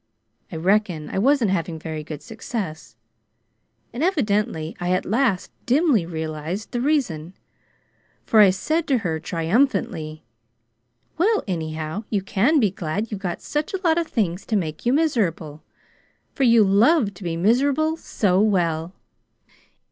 I reckon I wasn't having very good success, and evidently I at last dimly realized the reason, for I said to her triumphantly: 'Well, anyhow, you can be glad you've got such a lot of things to make you miserable, for you love to be miserable so well!'"